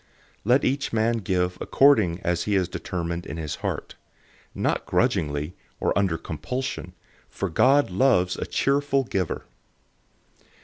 009:007 Let each man give according as he has determined in his heart; not grudgingly, or under compulsion; for God loves a cheerful giver.